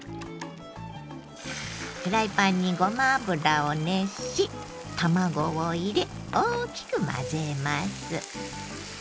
フライパンにごま油を熱し卵を入れ大きく混ぜます。